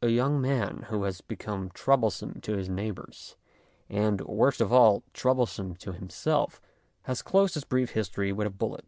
A young man who has become troublesome to his neighbours, and, worst of all, troublesome to himself, has closed his brief history with a bullet.